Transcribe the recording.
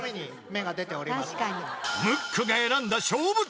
［ムックが選んだ］